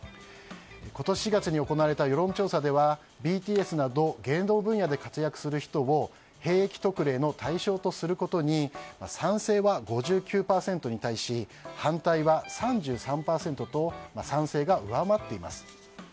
今年４月に行われた世論調査ではＢＴＳなど芸能分野で活躍する人を兵役特例の対象とすることに賛成は５９％に対し反対は３３％と賛成が上回っています。